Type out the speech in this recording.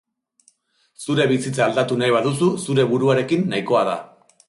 Zure bizitza aldatu nahi baduzu, zure buruarekin nahikoa da.